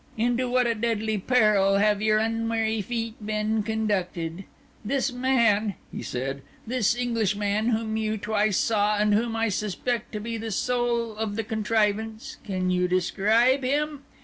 into what a deadly peril have your unwary feet been conducted! This man," he said, "this Englishman, whom you twice saw, and whom I suspect to be the soul of the contrivance, can you describe him?